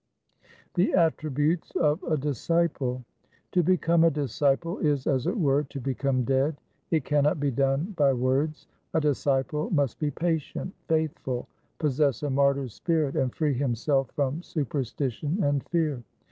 5 The attributes of a disciple :— To become a disciple is, as it were, to become dead. It cannot be done by words. A disciple must be patient, faithful, possess a martyr's spirit, and free himself from superstition and fear.